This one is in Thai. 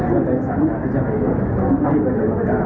ก็ได้สั่งของท่านเจดีย์ที่ประเด็นประกาศ